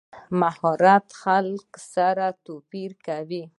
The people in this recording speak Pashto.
مهارت خلک سره توپیر کوي.